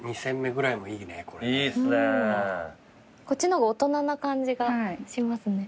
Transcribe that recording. こっちの方が大人な感じがしますね。